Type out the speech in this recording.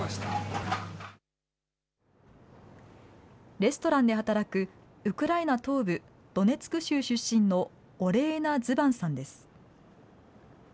レストランで働くウクライナ東部ドネツク州出身のオレーナ・ズバンさんです。